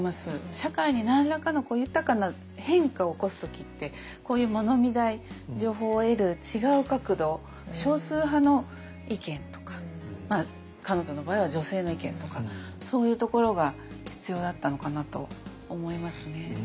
社会に何らかの豊かな変化を起こす時ってこういう物見台情報を得る違う角度少数派の意見とか彼女の場合は女性の意見とかそういうところが必要だったのかなと思いますね。